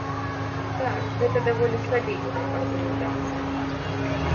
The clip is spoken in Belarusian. Так, гэта даволі слабенькая аргументацыя.